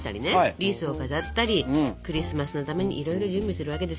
リースを飾ったりクリスマスのためにいろいろ準備するわけですよ。